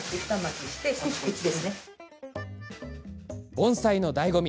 盆栽のだいご味